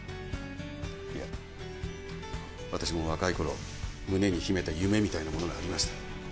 いやわたしも若いころ胸に秘めた夢みたいなものがありました。